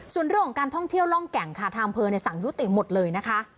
ส่วนเรื่องของการท่องเที่ยวร่องแก่งคาทางเพลินสั่งยุทธ์อีกหมดเลยนะคะ